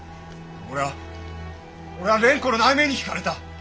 俺は俺は蓮子の内面に引かれた。